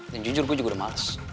dan jujur gue juga udah males